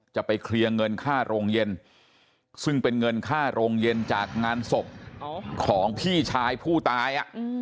จะไปเคลียร์เงินค่าโรงเย็นซึ่งเป็นเงินค่าโรงเย็นจากงานศพของพี่ชายผู้ตาย